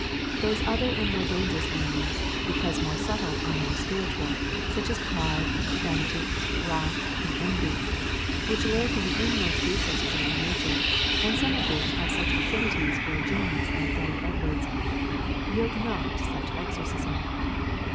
Those other and more dangerous enemies, because more subtle and more spiritual, such as pride, vanity, wrath, and envy, which lurk in the inmost recesses of our nature, and some of which have such affinities for a genius like that of Edwards, yield not to such exorcism.